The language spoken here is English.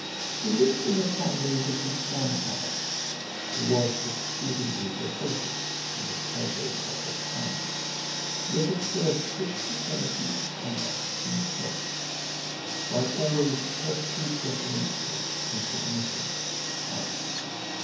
He lived in the family with his grandmother, who was exceedingly devoted to the pleasures of the town, yet observed great severity of conduct himself, while always perfectly deferential and submissive to her.